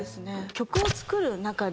曲を作る中で。